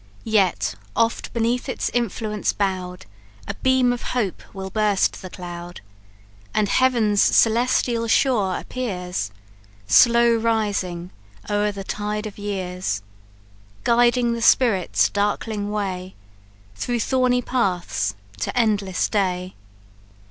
Yet, oft beneath its influence bowed, A beam of hope will burst the cloud, And heaven's celestial shore appears Slow rising o'er the tide of years, Guiding the spirit's darkling way Through thorny paths to endless day.